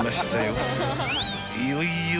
［いよいよ］